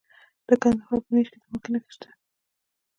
د کندهار په نیش کې د مالګې نښې شته.